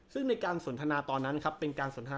ซึ่งในการสนทนาตอนนั้นครับเป็นการสนทนา